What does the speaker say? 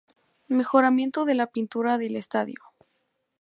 Mejoramiento de la pintura del estadio.